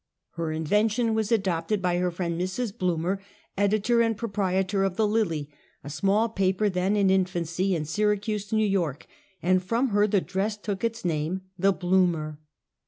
Her invention was adoj)ted by her friend Mrs. Bloomer, editor and proprietor of the Lil/y, a small paper then in infancy in Syracuse, J^. Y., and from her, the dress took its name —" the bloomer."